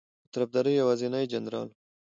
په طرفداری یوازینی جنرال ؤ